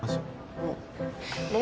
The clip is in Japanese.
うん。